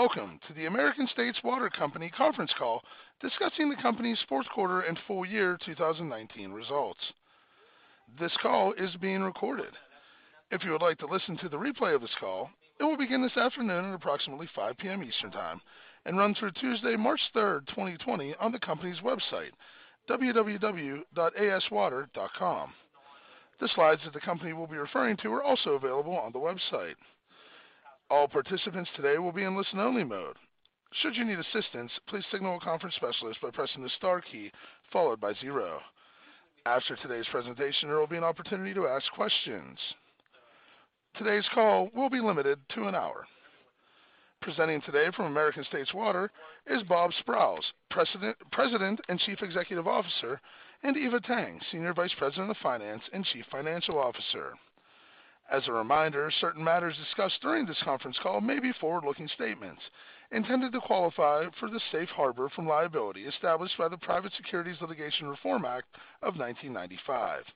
Welcome to the American States Water Company conference call discussing the company's fourth quarter and full year 2019 results. This call is being recorded. If you would like to listen to the replay of this call, it will begin this afternoon at approximately 5:00 P.M. Eastern Time and run through Tuesday, March 3rd, 2020, on the company's website, www.aswater.com. The slides that the company will be referring to are also available on the website. All participants today will be in listen-only mode. Should you need assistance, please signal a conference specialist by pressing the star key followed by zero. After today's presentation, there will be an opportunity to ask questions. Today's call will be limited to an hour. Presenting today from American States Water is Bob Sprowls, President and Chief Executive Officer, and Eva Tang, Senior Vice President of Finance and Chief Financial Officer. As a reminder, certain matters discussed during this conference call may be forward-looking statements intended to qualify for the safe harbor from liability established by the Private Securities Litigation Reform Act of 1995.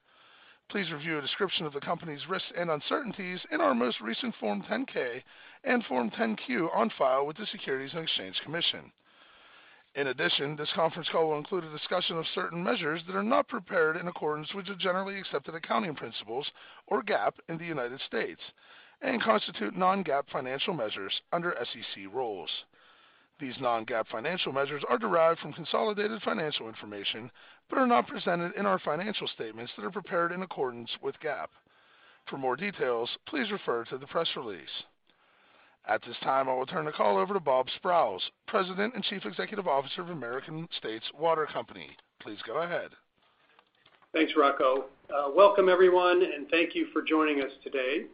Please review a description of the company's risks and uncertainties in our most recent Form 10-K and Form 10-Q on file with the Securities and Exchange Commission. In addition, this conference call will include a discussion of certain measures that are not prepared in accordance with the generally accepted accounting principles or GAAP in the United States and constitute non-GAAP financial measures under SEC rules. These non-GAAP financial measures are derived from consolidated financial information but are not presented in our financial statements that are prepared in accordance with GAAP. For more details, please refer to the press release. At this time, I will turn the call over to Bob Sprowls, President and Chief Executive Officer of American States Water Company. Please go ahead. Thanks, Rocco. Welcome everyone, and thank you for joining us today.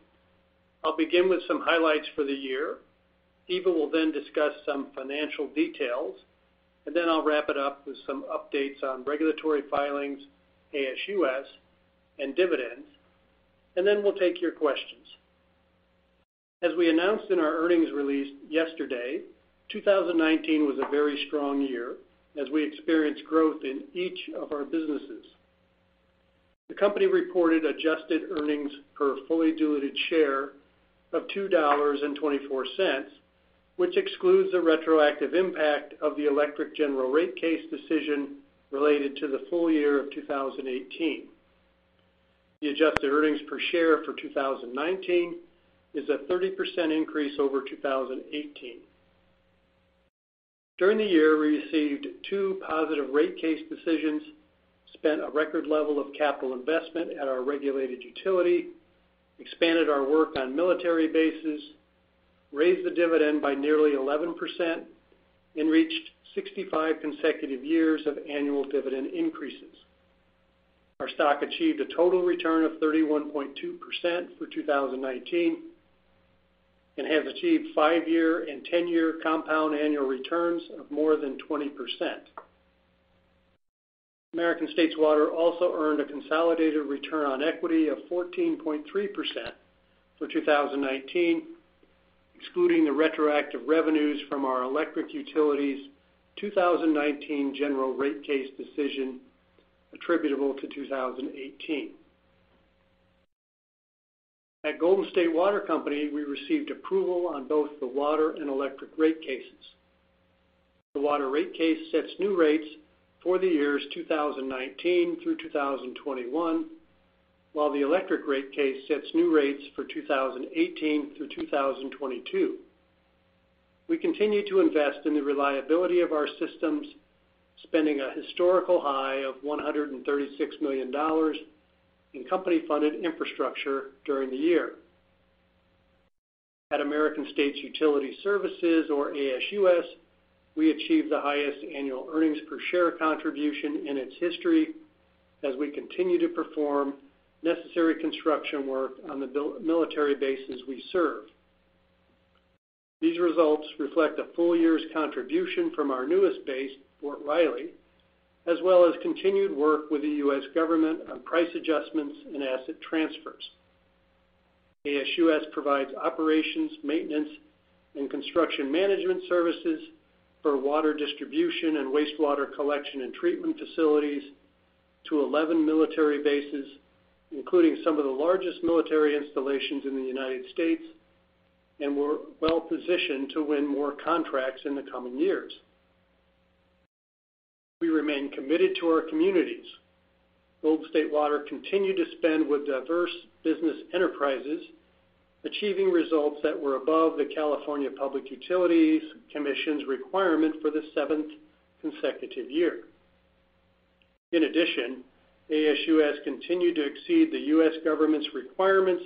I'll begin with some highlights for the year. Eva will then discuss some financial details, and then I'll wrap it up with some updates on regulatory filings, ASUS, and dividends, and then we'll take your questions. As we announced in our earnings release yesterday, 2019 was a very strong year as we experienced growth in each of our businesses. The company reported adjusted earnings per fully diluted share of $2.24, which excludes the retroactive impact of the electric general rate case decision related to the full year of 2018. The adjusted earnings per share for 2019 is a 30% increase over 2018. During the year, we received two positive rate case decisions, spent a record level of capital investment at our regulated utility, expanded our work on military bases, raised the dividend by nearly 11%, and reached 65 consecutive years of annual dividend increases. Our stock achieved a total return of 31.2% for 2019 and has achieved five-year and 10-year compound annual returns of more than 20%. American States Water also earned a consolidated return on equity of 14.3% for 2019, excluding the retroactive revenues from our electric utility's 2019 general rate case decision attributable to 2018. At Golden State Water Company, we received approval on both the water and electric rate cases. The water rate case sets new rates for the years 2019 through 2021, while the electric rate case sets new rates for 2018 through 2022. We continue to invest in the reliability of our systems, spending a historical high of $136 million in company-funded infrastructure during the year. At American States Utility Services or ASUS, we achieved the highest annual earnings per share contribution in its history as we continue to perform necessary construction work on the military bases we serve. These results reflect a full year's contribution from our newest base, Fort Riley, as well as continued work with the U.S. government on price adjustments and asset transfers. ASUS provides operations, maintenance, and construction management services for water distribution and wastewater collection and treatment facilities to 11 military bases, including some of the largest military installations in the United States and we're well-positioned to win more contracts in the coming years. We remain committed to our communities. Golden State Water continued to spend with diverse business enterprises, achieving results that were above the California Public Utilities Commission's requirement for the seventh consecutive year. In addition, ASUS continued to exceed the U.S. government's requirements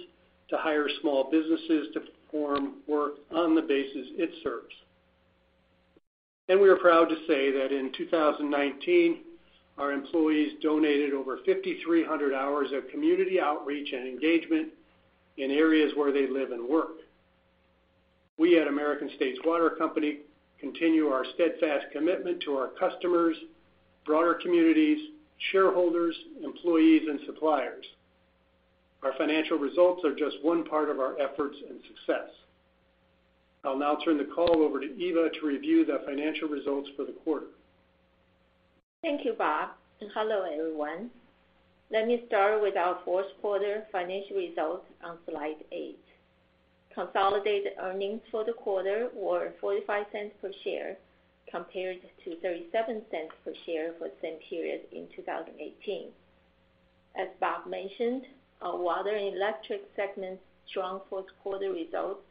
to hire small businesses to perform work on the bases it serves. We are proud to say that in 2019, our employees donated over 5,300 hours of community outreach and engagement in areas where they live and work. We at American States Water Company continue our steadfast commitment to our customers, broader communities, shareholders, employees, and suppliers. Our financial results are just one part of our efforts and success. I'll now turn the call over to Eva to review the financial results for the quarter. Thank you, Bob, hello everyone. Let me start with our fourth quarter financial results on slide eight. Consolidated earnings for the quarter were $0.45 per share, compared to $0.37 per share for the same period in 2018. As Bob mentioned, our water and electric segments' strong fourth quarter results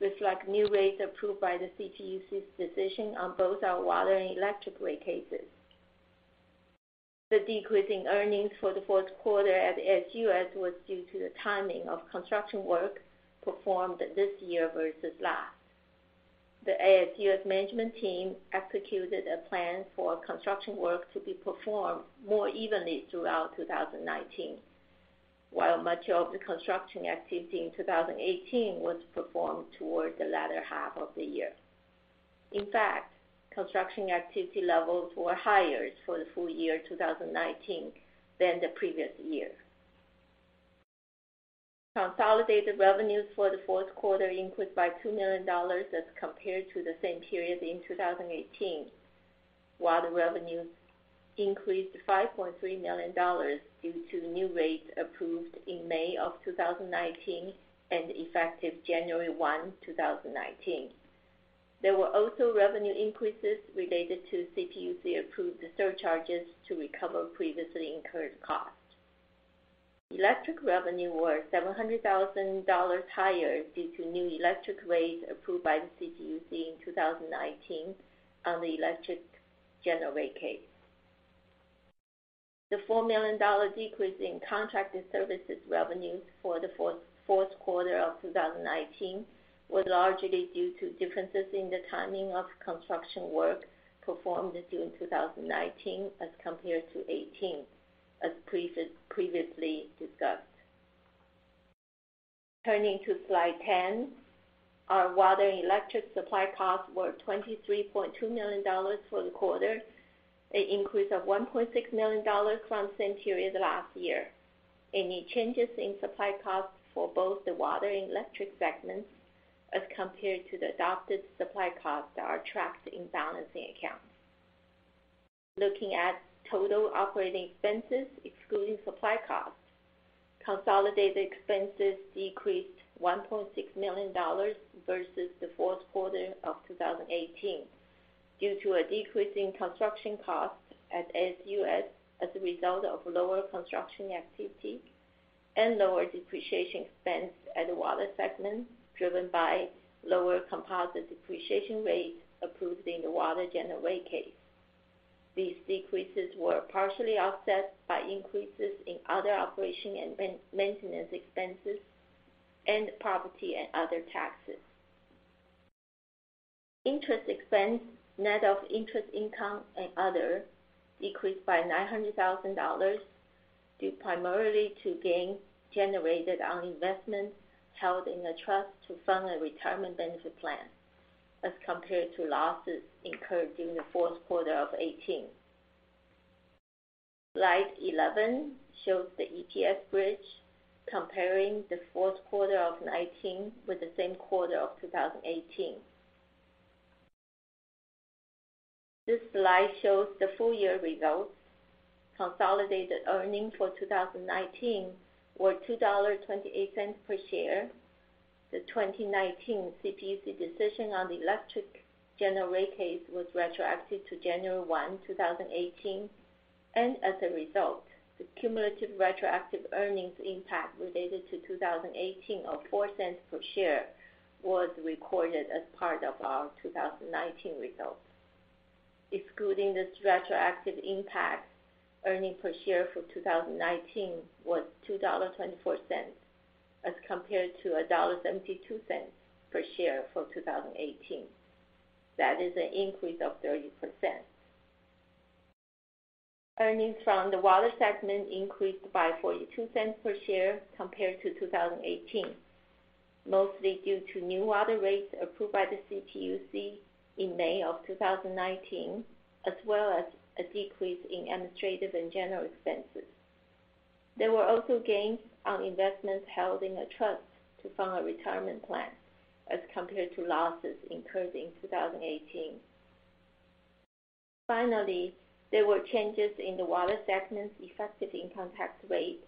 reflect new rates approved by the CPUC's decision on both our water and electric rate cases. The decrease in earnings for the fourth quarter at ASUS was due to the timing of construction work performed this year versus last. The ASUS management team executed a plan for construction work to be performed more evenly throughout 2019, while much of the construction activity in 2018 was performed towards the latter half of the year. In fact, construction activity levels were higher for the full year 2019 than the previous year. Consolidated revenues for the fourth quarter increased by $2 million as compared to the same period in 2018, while the revenues increased $5.3 million due to new rates approved in May of 2019 and effective January 1, 2019. There were also revenue increases related to CPUC-approved surcharges to recover previously incurred costs. Electric revenue was $700,000 higher due to new electric rates approved by the CPUC in 2019 on the electric general rate case. The $4 million decrease in contracted services revenues for the fourth quarter of 2019 was largely due to differences in the timing of construction work performed during 2019 as compared to 2018, as previously discussed. Turning to slide 10, our water and electric supply costs were $23.2 million for the quarter, an increase of $1.6 million from the same period last year. Any changes in supply costs for both the water and electric segments as compared to the adopted supply costs are tracked in balancing accounts. Looking at total operating expenses, excluding supply costs, consolidated expenses decreased $1.6 million versus the fourth quarter of 2018 due to a decrease in construction costs at ASUS as a result of lower construction activity and lower depreciation expense at the water segment, driven by lower composite depreciation rates approved in the water general rate case. These decreases were partially offset by increases in other operation and maintenance expenses and property and other taxes. Interest expense, net of interest income and other, decreased by $900,000 due primarily to gains generated on investments held in a trust to fund a retirement benefit plan, as compared to losses incurred during the fourth quarter of 2018. Slide 11 shows the EPS bridge comparing the fourth quarter of 2019 with the same quarter of 2018. This slide shows the full-year results. Consolidated earnings for 2019 were $2.28 per share. The 2019 CPUC decision on the electric general rate case was retroactive to January 1, 2018, and as a result, the cumulative retroactive earnings impact related to 2018 of $0.04 per share was recorded as part of our 2019 results. Excluding this retroactive impact, earnings per share for 2019 was $2.24 as compared to $1.72 per share for 2018. That is an increase of 30%. Earnings from the water segment increased by $0.42 per share compared to 2018, mostly due to new water rates approved by the CPUC in May of 2019, as well as a decrease in administrative and general expenses. There were also gains on investments held in a trust to fund a retirement plan as compared to losses incurred in 2018. Finally, there were changes in the water segment's effective income tax rate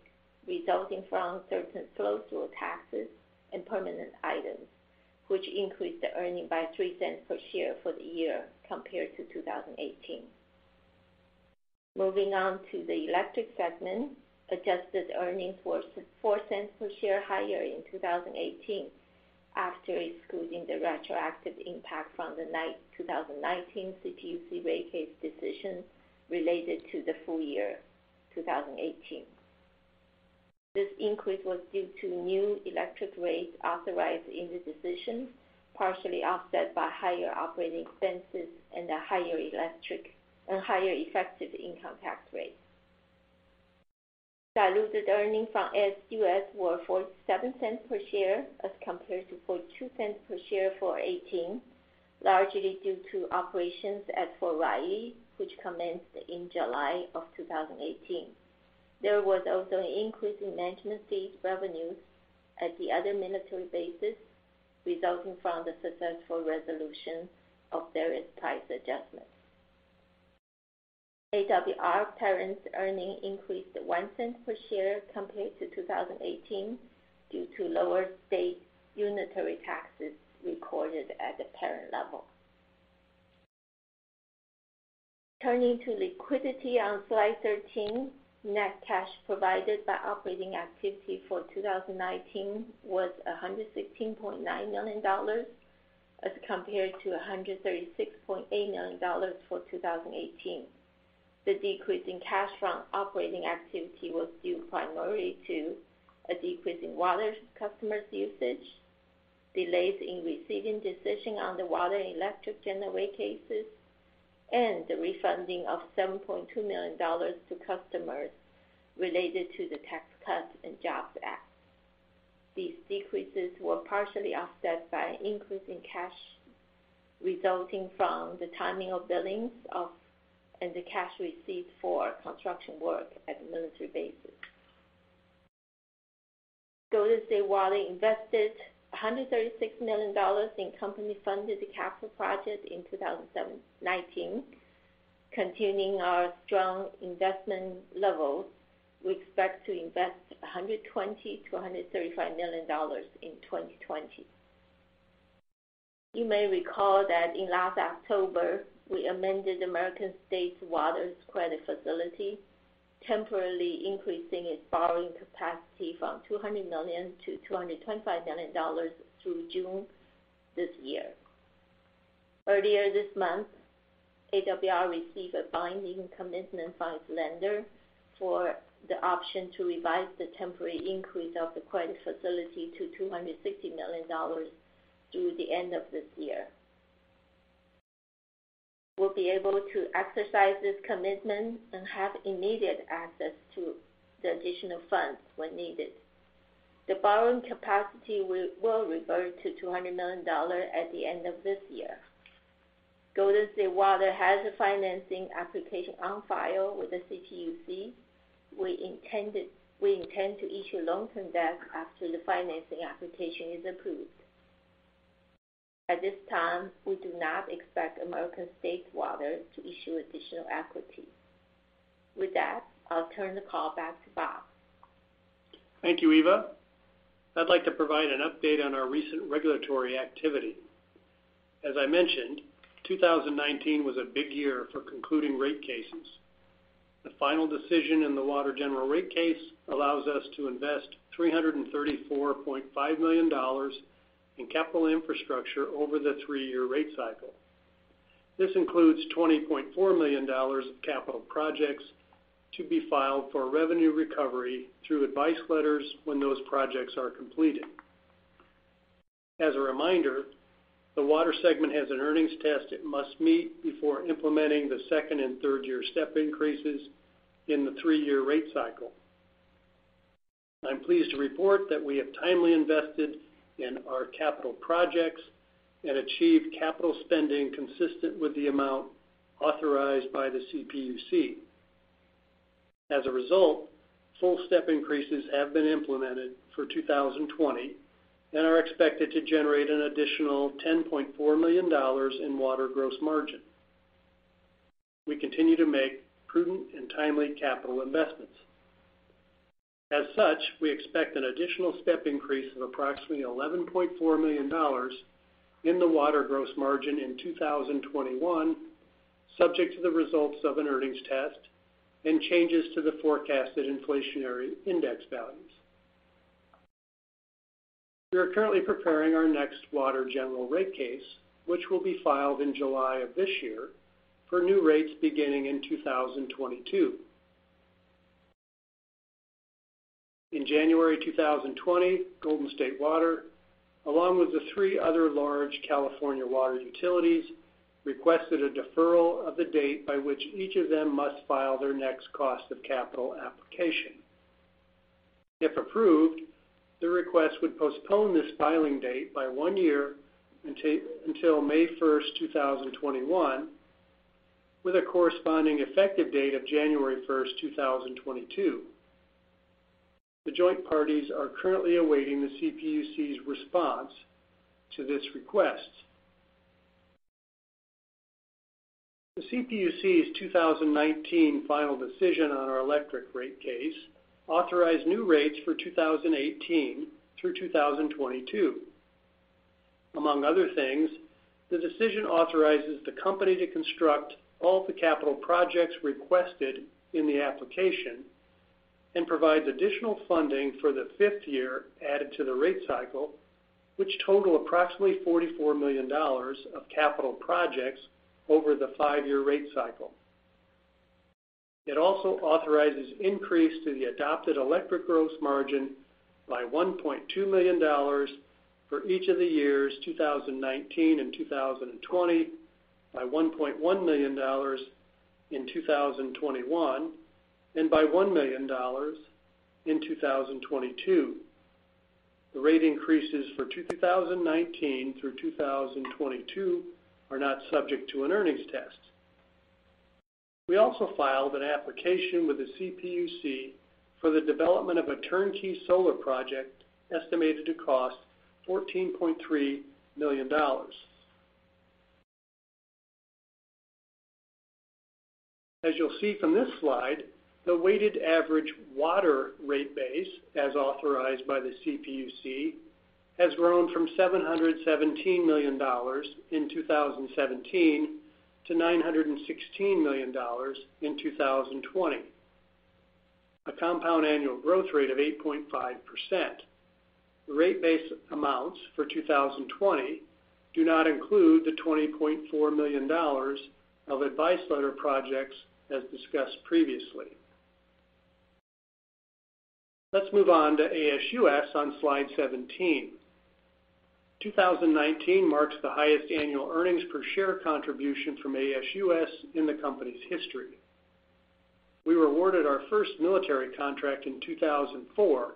resulting from certain flow-through taxes and permanent items, which increased the earnings by $0.03 per share for the year compared to 2018. Moving on to the electric segment, adjusted earnings were $0.04 per share higher in 2018 after excluding the retroactive impact from the 2019 CPUC rate case decision related to the full year 2018. This increase was due to new electric rates authorized in the decision, partially offset by higher operating expenses and a higher effective income tax rate. Diluted earnings from ASUS were $0.47 per share as compared to $0.42 per share for 2018, largely due to operations at Fort Riley, which commenced in July of 2018. There was also an increase in management fee revenues at the other military bases resulting from the successful resolution of various price adjustments. AWR parent's earning increased $0.01 per share compared to 2018 due to lower state unitary taxes recorded at the parent level. Turning to liquidity on slide 13, net cash provided by operating activity for 2019 was $116.9 million as compared to $136.8 million for 2018. The decrease in cash from operating activity was due primarily to a decrease in water customers' usage, delays in receiving decision on the water and electric general rate cases, and the refunding of $7.2 million to customers related to the Tax Cuts and Jobs Act. These decreases were partially offset by an increase in cash resulting from the timing of billings of, and the cash received for construction work at the military bases. Golden State Water invested $136 million in company-funded capital projects in 2019. Continuing our strong investment levels, we expect to invest $120 million-$135 million in 2020. You may recall that in last October, we amended American States Water's credit facility, temporarily increasing its borrowing capacity from $200 million-$225 million through June this year. Earlier this month, AWR received a binding commitment from its lender for the option to revise the temporary increase of the credit facility to $260 million through the end of this year. We'll be able to exercise this commitment and have immediate access to the additional funds when needed. The borrowing capacity will revert to $200 million at the end of this year. Golden State Water has a financing application on file with the CPUC. We intend to issue long-term debt after the financing application is approved. At this time, we do not expect American States Water to issue additional equity. With that, I'll turn the call back to Bob. Thank you, Eva. I'd like to provide an update on our recent regulatory activity. As I mentioned, 2019 was a big year for concluding rate cases. The final decision in the water general rate case allows us to invest $334.5 million in capital infrastructure over the three-year rate cycle. This includes $20.4 million of capital projects to be filed for revenue recovery through advice letters when those projects are completed. As a reminder, the water segment has an earnings test it must meet before implementing the second and third-year step increases in the three-year rate cycle. I'm pleased to report that we have timely invested in our capital projects and achieved capital spending consistent with the amount authorized by the CPUC. As a result, full step increases have been implemented for 2020 and are expected to generate an additional $10.4 million in water gross margin. We continue to make prudent and timely capital investments. As such, we expect an additional step increase of approximately $11.4 million in the water gross margin in 2021, subject to the results of an earnings test and changes to the forecasted inflationary index values. We are currently preparing our next water general rate case, which will be filed in July of this year for new rates beginning in 2022. In January 2020, Golden State Water, along with the three other large California water utilities, requested a deferral of the date by which each of them must file their next cost of capital application. If approved, the request would postpone this filing date by one year until May 1st, 2021, with a corresponding effective date of January 1st, 2022. The joint parties are currently awaiting the CPUC's response to this request. The CPUC's 2019 final decision on our electric rate case authorized new rates for 2018 through 2022. Among other things, the decision authorizes the company to construct all of the capital projects requested in the application and provides additional funding for the fifth year added to the rate cycle, which total approximately $44 million of capital projects over the five-year rate cycle. It also authorizes increase to the adopted electric gross margin by $1.2 million for each of the years 2019 and 2020, by $1.1 million in 2021, and by $1 million in 2022. The rate increases for 2019 through 2022 are not subject to an earnings test. We also filed an application with the CPUC for the development of a turnkey solar project estimated to cost $14.3 million. As you'll see from this slide, the weighted average water rate base, as authorized by the CPUC, has grown from $717 million in 2017 to $916 million in 2020, a compound annual growth rate of 8.5%. The rate base amounts for 2020 do not include the $20.4 million of advice letter projects as discussed previously. Let's move on to ASUS on slide 17. 2019 marks the highest annual earnings per share contribution from ASUS in the company's history. We were awarded our first military contract in 2004,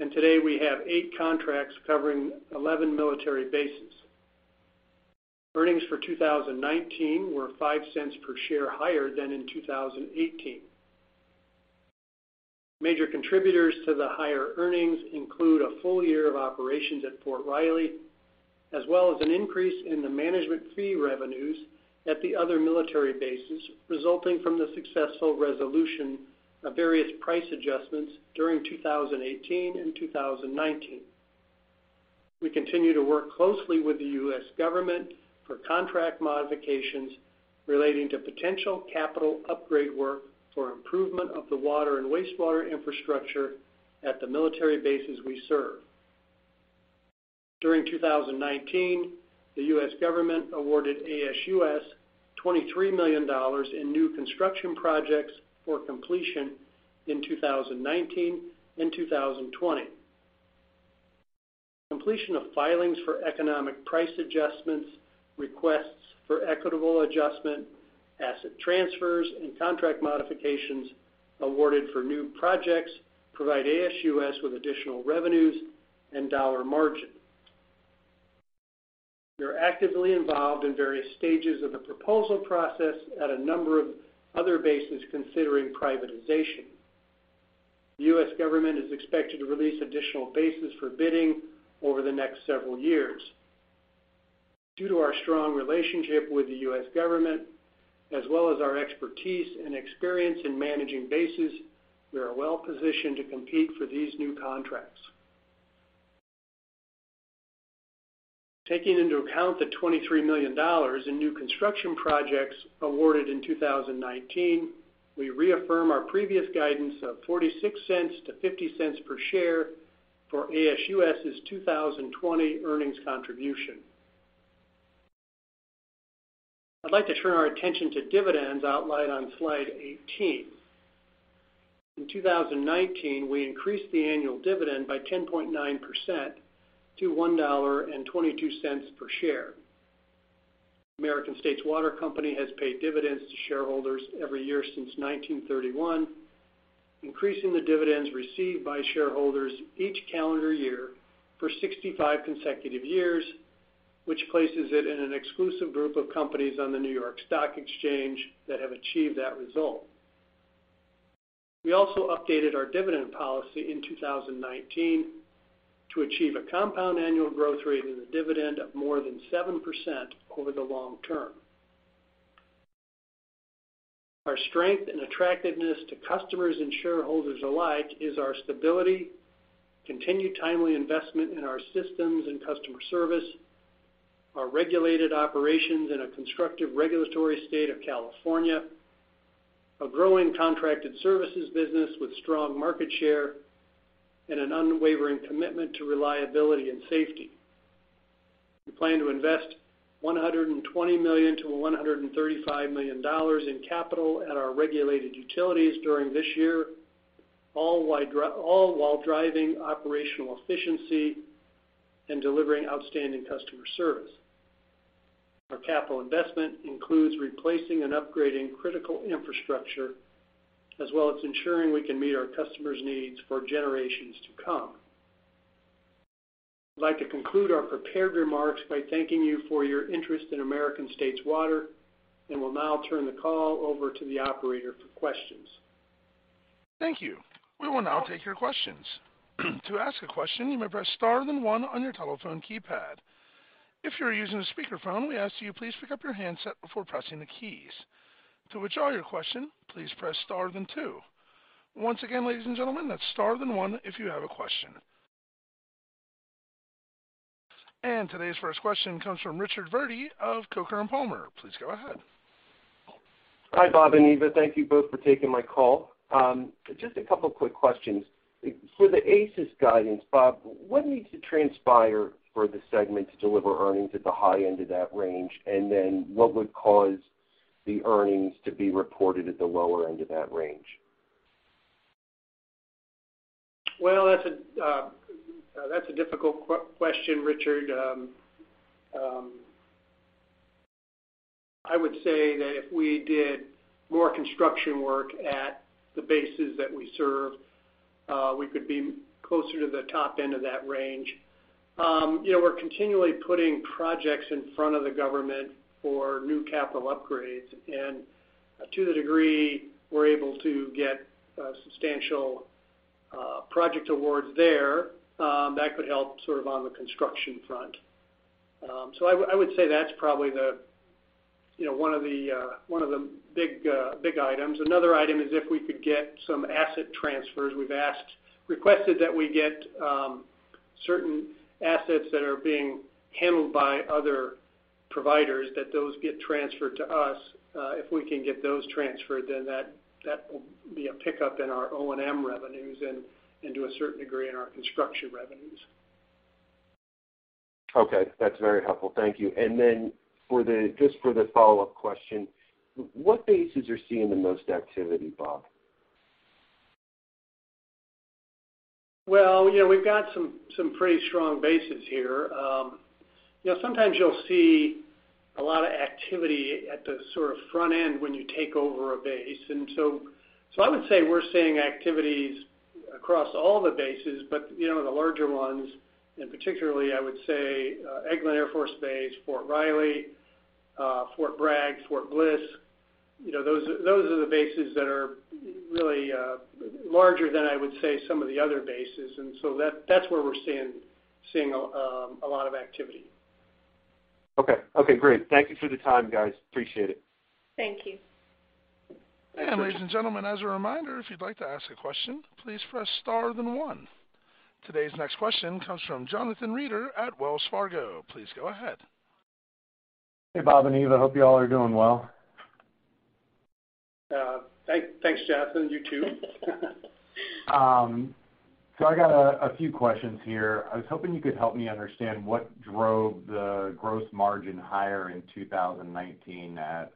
and today we have eight contracts covering 11 military bases. Earnings for 2019 were $0.05 per share higher than in 2018. Major contributors to the higher earnings include a full year of operations at Fort Riley, as well as an increase in the management fee revenues at the other military bases, resulting from the successful resolution of various price adjustments during 2018 and 2019. We continue to work closely with the U.S. government for contract modifications relating to potential capital upgrade work for improvement of the water and wastewater infrastructure at the military bases we serve. During 2019, the U.S. government awarded ASUS $23 million in new construction projects for completion in 2019 and 2020. Completion of filings for economic price adjustments, requests for equitable adjustment, asset transfers and contract modifications awarded for new projects provide ASUS with additional revenues and dollar margin. We are actively involved in various stages of the proposal process at a number of other bases considering privatization. The U.S. government is expected to release additional bases for bidding over the next several years. Due to our strong relationship with the U.S. government, as well as our expertise and experience in managing bases, we are well positioned to compete for these new contracts. Taking into account the $23 million in new construction projects awarded in 2019, we reaffirm our previous guidance of $0.46-$0.50 per share for ASUS's 2020 earnings contribution. I'd like to turn our attention to dividends outlined on slide 18. In 2019, we increased the annual dividend by 10.9% to $1.22 per share. American States Water Company has paid dividends to shareholders every year since 1931, increasing the dividends received by shareholders each calendar year for 65 consecutive years, which places it in an exclusive group of companies on the New York Stock Exchange that have achieved that result. We also updated our dividend policy in 2019 to achieve a compound annual growth rate in the dividend of more than 7% over the long term. Our strength and attractiveness to customers and shareholders alike is our stability, continued timely investment in our systems and customer service, our regulated operations in a constructive regulatory state of California, a growing contracted services business with strong market share, and an unwavering commitment to reliability and safety. We plan to invest $120 million-$135 million in capital at our regulated utilities during this year, all while driving operational efficiency and delivering outstanding customer service. Our capital investment includes replacing and upgrading critical infrastructure, as well as ensuring we can meet our customers' needs for generations to come. I'd like to conclude our prepared remarks by thanking you for your interest in American States Water, and will now turn the call over to the operator for questions. Thank you. We will now take your questions. To ask a question, you may press star then one on your telephone keypad. If you are using a speakerphone, we ask that you please pick up your handset before pressing the keys. To withdraw your question, please press star then two. Once again, ladies and gentlemen, that's star then one if you have a question. Today's first question comes from Richard Verdi of Coker & Palmer. Please go ahead. Hi, Bob and Eva. Thank you both for taking my call. Just a couple quick questions. For the ASUS guidance, Bob, what needs to transpire for the segment to deliver earnings at the high end of that range? What would cause the earnings to be reported at the lower end of that range? Well, that's a difficult question, Richard. I would say that if we did more construction work at the bases that we serve, we could be closer to the top end of that range. We're continually putting projects in front of the government for new capital upgrades. To the degree we're able to get substantial project awards there, that could help on the construction front. I would say that's probably one of the big items. Another item is if we could get some asset transfers. We've requested that we get certain assets that are being handled by other providers, that those get transferred to us. If we can get those transferred, then that will be a pickup in our O&M revenues and to a certain degree, in our construction revenues. Okay. That's very helpful. Thank you. Then, just for the follow-up question, what bases are seeing the most activity, Bob? Well, we've got some pretty strong bases here. Sometimes you'll see a lot of activity at the front end when you take over a base. I would say we're seeing activities across all the bases, but the larger ones, and particularly I would say Eglin Air Force Base, Fort Riley, Fort Bragg, Fort Bliss, those are the bases that are really larger than I would say some of the other bases. That's where we're seeing a lot of activity. Okay. Great. Thank you for the time, guys. Appreciate it. Thank you. Ladies and gentlemen, as a reminder, if you'd like to ask a question, please press star then one. Today's next question comes from Jonathan Reeder at Wells Fargo. Please go ahead. Hey, Bob and Eva. Hope you all are doing well. Thanks, Jonathan. You too. I got a few questions here. I was hoping you could help me understand what drove the gross margin higher in 2019 at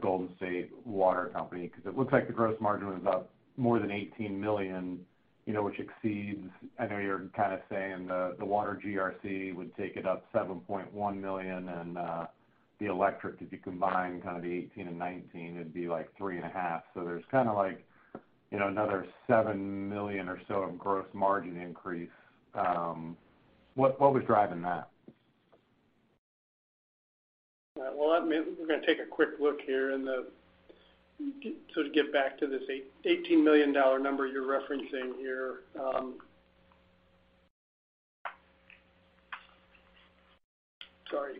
Golden State Water Company, because it looks like the gross margin was up more than $18 million, which exceeds, I know you're kind of saying the water GRC would take it up $7.1 million and the electric, if you combine the 2018 and 2019, it'd be like three and a half. There's another $7 million or so of gross margin increase. What was driving that? Well, we're going to take a quick look here to get back to this $18 million number you're referencing here. Sorry.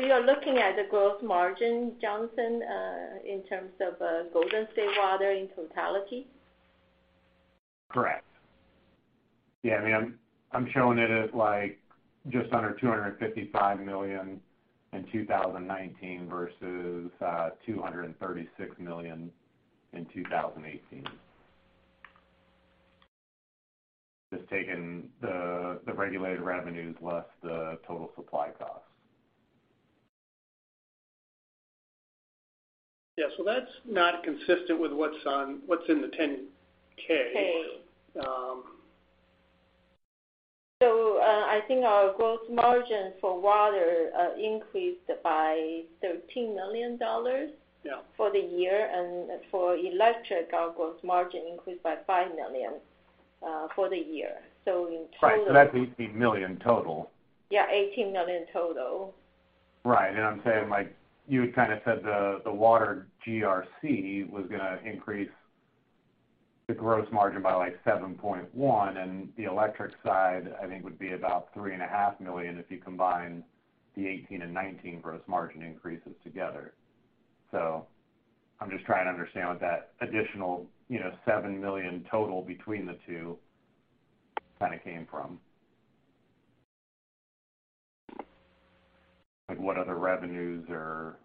You are looking at the growth margin, Jonathan, in terms of Golden State Water in totality? Correct. Yeah, I'm showing it as just under $255 million in 2019 versus $236 million in 2018. Just taking the regulated revenues less the total supply cost. Yeah. That's not consistent with what's in the 10-K. I think our gross margin for water increased by $13 million. Yeah. For the year, and for electric, our growth margin increased by $5 million for the year. Right. That's $18 million total. Yeah. $18 million total. I'm saying, you had said the water GRC was going to increase the gross margin by $7.1, and the electric side, I think would be about three and a half million if you combine the 2018 and 2019 gross margin increases together. I'm just trying to understand what that additional $7 million total between the two came from. Like what other revenues are?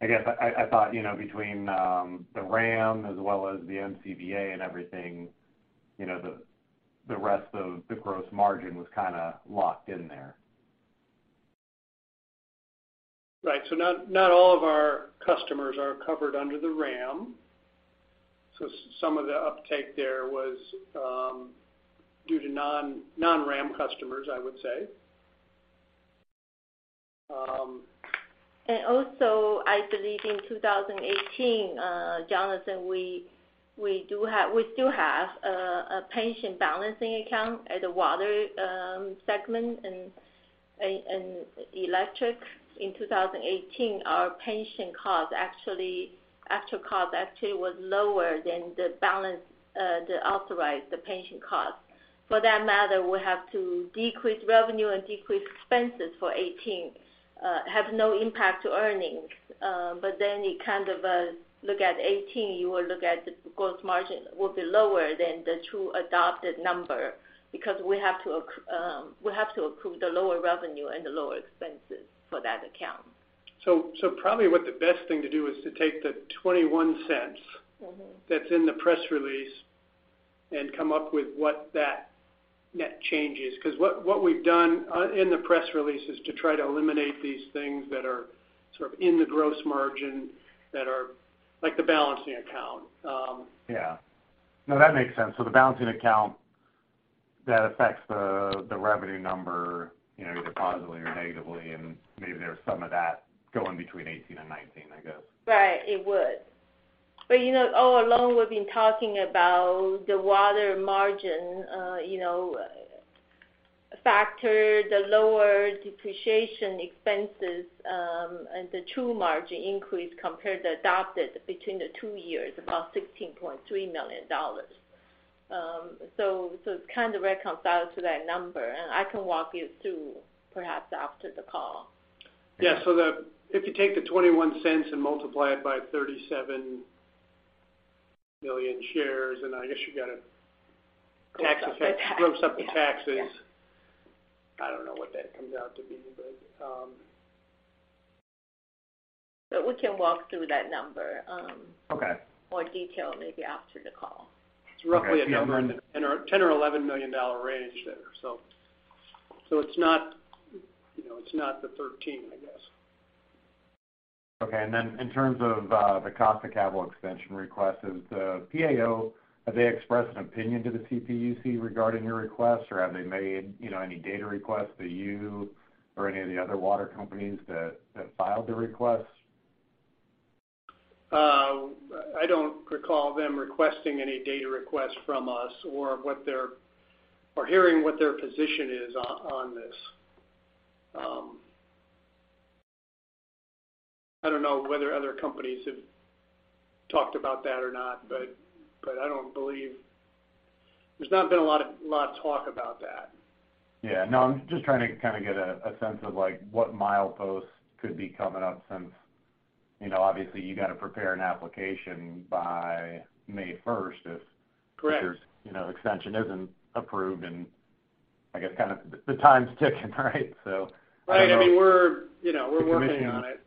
I guess I thought between the RAM as well as the MCVA and everything, the rest of the gross margin was locked in there. Right. Not all of our customers are covered under the RAM. Some of the uptake there was due to non-RAM customers, I would say. Also, I believe in 2018, Jonathan, we still have a pension balancing account at the water segment and electric. In 2018, our pension cost actually was lower than the authorized pension cost. For that matter, we have to decrease revenue and decrease expenses for 2018, have no impact to earnings. You look at 2018, you will look at the gross margin will be lower than the true adopted number because we have to accrue the lower revenue and the lower expenses for that account. Probably what the best thing to do is to take the $0.21 that's in the press release and come up with what that net change is. What we've done in the press release is to try to eliminate these things that are in the gross margin, like the balancing account. Yeah. No, that makes sense. The balancing account that affects the revenue number, either positively or negatively. Maybe there's some of that going between 2018 and 2019, I guess. Right. It would. All along, we've been talking about the water margin factor, the lower depreciation expenses, and the true margin increase compared to adopted between the two years, about $16.3 million. It kind of reconciles to that number. I can walk you through perhaps after the call. Yeah. If you take the $0.21 and multiply it by 37 million shares. Close up the taxes. Yeah. Close up the taxes. I don't know what that comes out to be. We can walk through that number. Okay. More detail maybe after the call. It's roughly a number in the $10 or $11 million range there. It's not the 13, I guess. Okay. In terms of the cost of capital extension request, has the PAO, have they expressed an opinion to the CPUC regarding your request? Have they made any data requests to you or any of the other water companies that filed the request? I don't recall them requesting any data requests from us, or hearing what their position is on this. I don't know whether other companies have talked about that or not, but I don't believe there's not been a lot of talk about that. Yeah. No, I'm just trying to get a sense of what mileposts could be coming up since obviously you got to prepare an application by May 1st. Correct. Extension isn't approved. I guess kind of the time's ticking, right? I don't know. Right. We're working on it.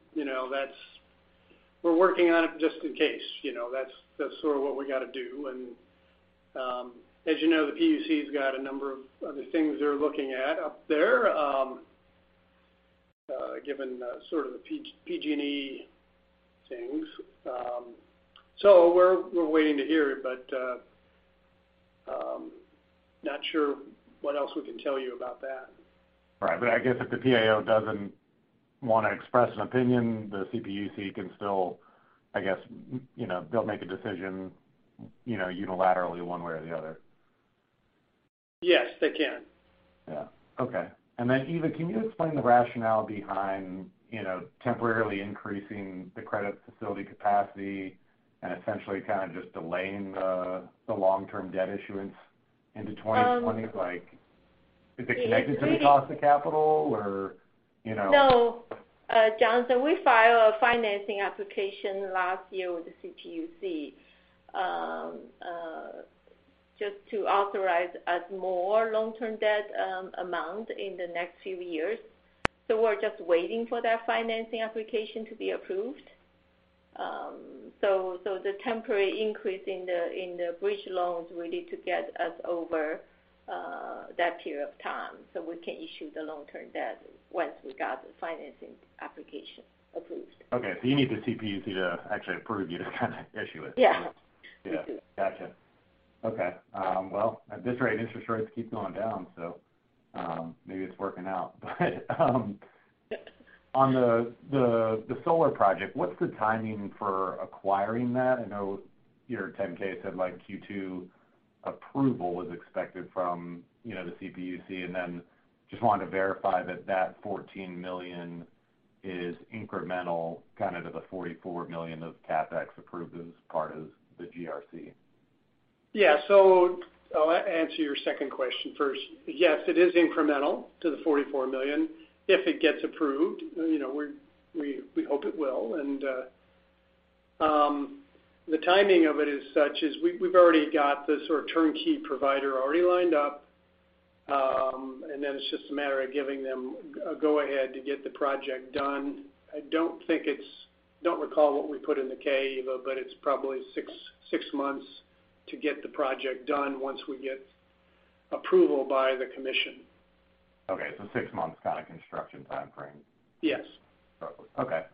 We're working on it just in case. That's sort of what we got to do. As you know, the CPUC's got a number of other things they're looking at up there, given sort of the PG&E things. We're waiting to hear, but not sure what else we can tell you about that. Right. I guess if the PAO doesn't want to express an opinion, the CPUC can still, I guess, they'll make a decision unilaterally one way or the other. Yes, they can. Yeah. Okay. Eva, can you explain the rationale behind temporarily increasing the credit facility capacity and essentially kind of just delaying the long-term debt issuance into 2020? Is it connected to the cost of capital or? No. Jonathan, we file a financing application last year with the CPUC, just to authorize us more long-term debt amount in the next few years. We're just waiting for that financing application to be approved. The temporary increase in the bridge loans we need to get us over that period of time, so we can issue the long-term debt once we got the financing application approved. Okay. You need the CPUC to actually approve you to kind of issue it? Yeah. We do. Yeah. Gotcha. Okay. At this rate, interest rates keep going down, so maybe it's working out. On the solar project, what's the timing for acquiring that? I know your 10-K said like Q2 approval is expected from the CPUC, and then just wanted to verify that that $14 million is incremental kind of to the $44 million of CapEx approved as part of the GRC. Yeah. I'll answer your second question first. Yes, it is incremental to the $44 million if it gets approved. We hope it will. The timing of it is such is we've already got the sort of turnkey provider already lined up. Then it's just a matter of giving them a go ahead to get the project done. I don't recall what we put in the K, Eva, but it's probably six months to get the project done once we get approval by the Commission. Okay. Six months kind of construction timeframe. Yes. Okay.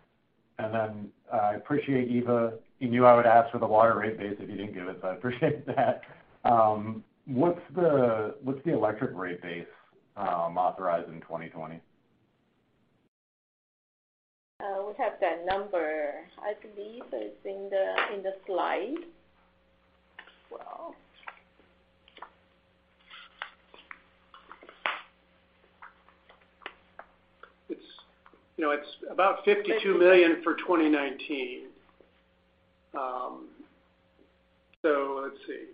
I appreciate Eva, you knew I would ask for the water rate base if you didn't give it, so I appreciate that. What's the electric rate base authorized in 2020? We have that number. I believe it's in the slide 12. It's about $52 million for 2019. Let's see.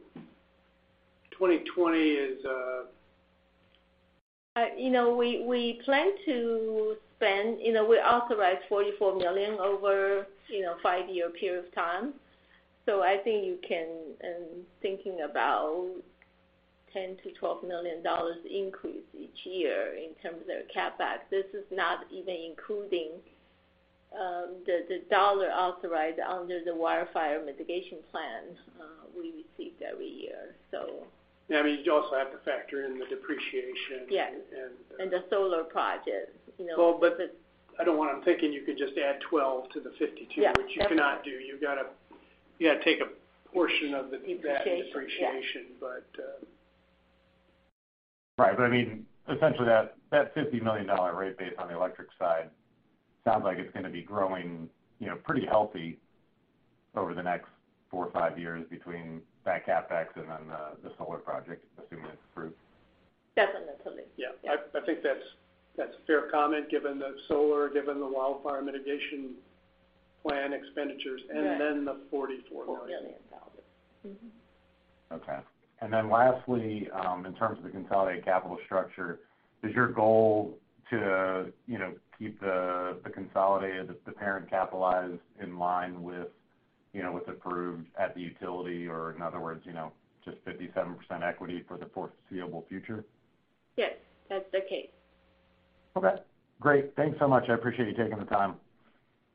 We authorized $44 million over a five-year period of time. I think you can, and thinking about $10 million-$12 million increase each year in terms of their CapEx. This is not even including the dollar authorized under the wildfire mitigation plan we received every year. Yeah, you also have to factor in the depreciation. Yes. The solar project. Well, I don't want them thinking you could just add 12 to the 52. Yeah. Which you cannot do, you got to take a portion of. Depreciation, yeah. Debt and depreciation, but. Right. Essentially that $50 million rate base on the electric side sounds like it's going to be growing pretty healthy over the next four or five years between that CapEx and then the solar project, assuming it's approved. Definitely. Yeah. I think that's a fair comment given the solar, given the wildfire mitigation plan expenditures. Right. The $44 million. $44 million. Mm-hmm. Okay. Lastly, in terms of the consolidated capital structure, is your goal to keep the consolidated, the parent capitalized in line with approved at the utility? In other words, just 57% equity for the foreseeable future? Yes, that's the case. Okay. Great. Thanks so much. I appreciate you taking the time.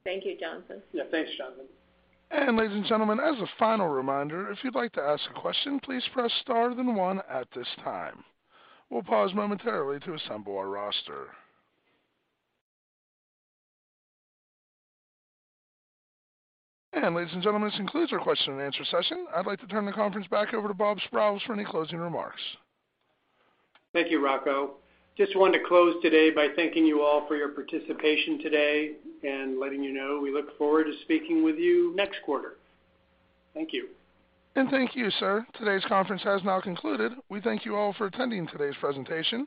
Thank you, Jonathan. Yeah. Thanks, Jonathan. Ladies and gentlemen, as a final reminder, if you'd like to ask a question, please press star then one at this time. We'll pause momentarily to assemble our roster. Ladies and gentlemen, this concludes our question and answer session. I'd like to turn the conference back over to Robert Sprowls for any closing remarks. Thank you, Rocco. Just wanted to close today by thanking you all for your participation today and letting you know we look forward to speaking with you next quarter. Thank you. Thank you, sir. Today's conference has now concluded. We thank you all for attending today's presentation.